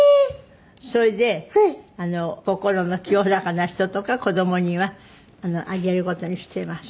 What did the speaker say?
「それで心の清らかな人とか子供にはあげる事にしています」